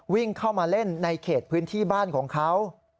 วิ่งเข้ามาเล่นในเขตพื้นที่บ้านของเขา